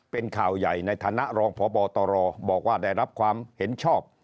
เป็นข่าวใหญ่ในฐานะรองพบตรบอกว่าได้รับความเห็นชอบ